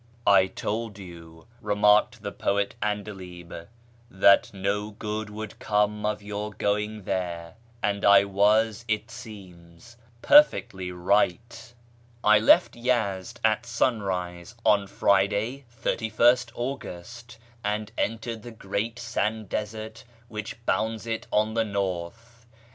I told you," remarked the poet 'Andalib, " that no good would come of your going there, and I was, it seems, perfectly right." I left Yezd at sunrise on Friday, 31st August, and entered the great sand desert which bounds it on the north.